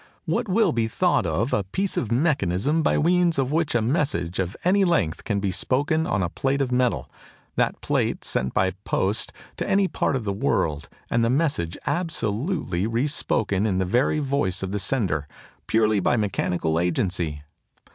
What will be thought of a piece of mechanism by means of which a message of any length can be spoken on to a plate of metal that plate sent by post to any part of the world and the message absolutely respoken in the very voice of the sender, purely by mechanical agency?